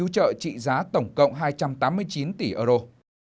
cộng hai trăm tám mươi chín tỷ euro